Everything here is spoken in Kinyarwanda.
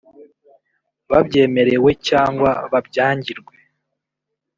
babyemerewe cyangwa babyangirwe